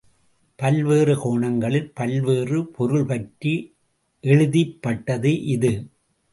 பல்வேறு கோணங்களில் பல்வேறு பொருள்பற்றி எழுதிப்பட்டது இது.